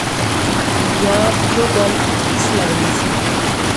یا یو گل اس لغنی سی